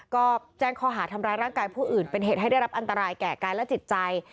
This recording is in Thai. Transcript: ก็แจ้งข้อหาทำร้ายร่างกายผู้อื่นเป็นเหตุให้ได้รับอันตรายแก่กายและจิตใจ